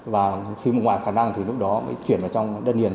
và khi ngoài khả năng thì lúc đó mới chuyển vào trong đất điền